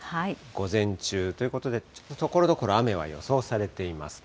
午前中、ということで、ところどころ雨は予想されています。